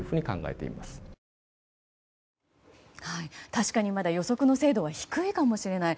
確かにまだ予測の精度は低いかもしれない。